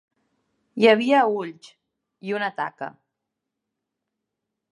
Hi havia ulls, i una taca.